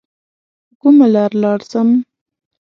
په کومه لار لاړ سم؟